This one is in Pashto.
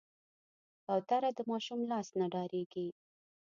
کوتره د ماشوم لاس نه ډارېږي.